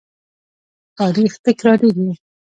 تاریخ تکراریږي